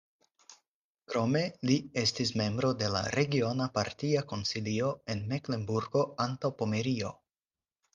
Krome li estis membro de la regiona partia konsilio en Meklenburgo-Antaŭpomerio.